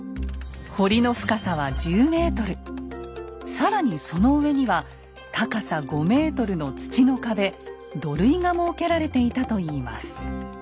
更にその上には高さ５ｍの土の壁土塁が設けられていたといいます。